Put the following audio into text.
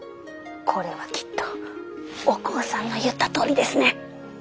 これはきっとお光さんの言ったとおりですね。